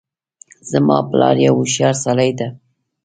زما پلار یو هوښیارسړی ده